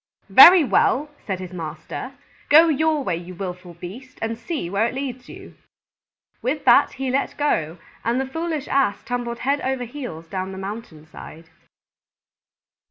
"Very well," said his master, "go your way, you willful beast, and see where it leads you." With that he let go, and the foolish Ass tumbled head over heels down the mountain side.